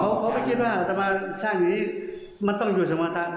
เขาไม่คิดว่าสร้างอย่างนี้มันต้องอยู่สมทัศน์